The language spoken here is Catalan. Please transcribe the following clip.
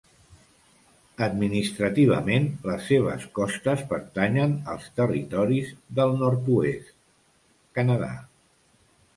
Administrativament, les seves costes pertanyen als Territoris del Nord-oest, Canadà.